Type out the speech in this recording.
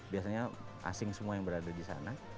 biasanya asing semua yang berada disana